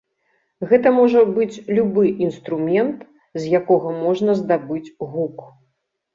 Гэта можа быць любы інструмент з якога можна здабыць гук.